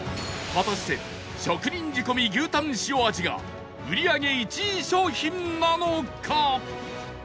果たして職人仕込み牛たんしお味が売り上げ１位商品なのか？